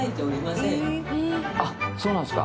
あっそうなんですか？